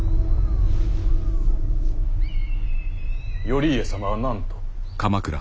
頼家様は何と。